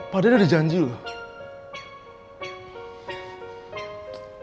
padahal udah dijanji loh